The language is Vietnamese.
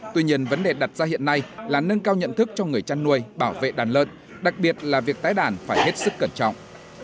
tuy nhiên vấn đề đặt ra hiện nay là nâng cao nhận thức cho người chăn nuôi bảo vệ đàn lợn đặc biệt là việc tái đàn phải hết sức cẩn trọng